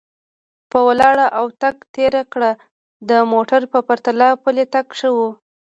په ولاړه او تګ تېره کړه، د موټر په پرتله پلی تګ ښه و.